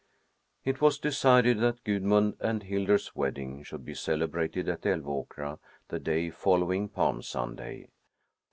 V It was decided that Gudmund and Hildur's wedding should be celebrated at Älvåkra the day following Palm Sunday.